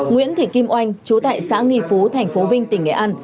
nguyễn thị kim oanh chú tại xã nghi phú thành phố vinh tỉnh nghệ an